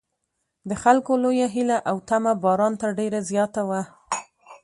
د خلکو لویه هیله او تمه باران ته ډېره زیاته وه.